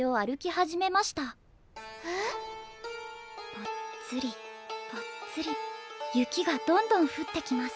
「ぽっつりぽっつり雪がどんどんふってきます」。